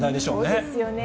そうですよね。